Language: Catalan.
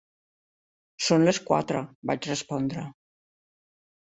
"Són les quatre", vaig respondre.